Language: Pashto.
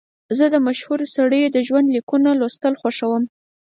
زه د مشهورو سړیو ژوند لیکونه لوستل خوښوم.